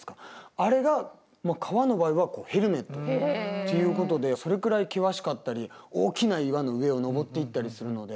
あれがもう川の場合はヘルメットっていうことでそれくらい険しかったり大きな岩の上を登っていったりするので。